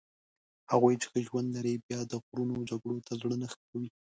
هغوی چې ښه ژوند لري بیا د غرونو جګړو ته زړه نه ښه کوي.